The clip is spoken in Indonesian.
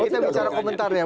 kita bicara komentarnya